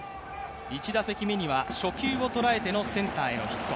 １打席目には初球を捉えてのセンターへのヒット